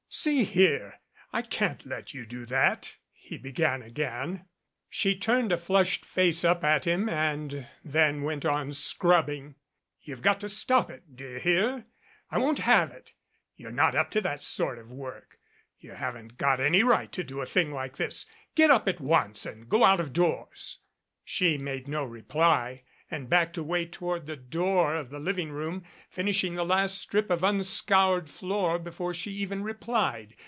"See here, I can't let you do that " he began again. She turned a flushed face up at him and then went on scrubbing. "You've got to stop it, do you hear? I won't have it. You're not up to that sort of work. You haven't got any right to do a thing like this. Get up at once and go out of doors !" She made no reply and backed away toward the door of the living room, finishing the last strip of unsecured floor before she even replied.